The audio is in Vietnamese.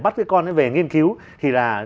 bắt cái con ấy về nghiên cứu thì là